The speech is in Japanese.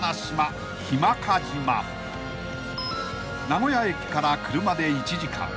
［名古屋駅から車で１時間］